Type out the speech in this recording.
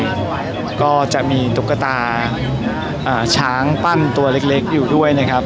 แล้วก็จะมีตุ๊กตาอ่าช้างปั้นตัวเล็กเล็กอยู่ด้วยนะครับ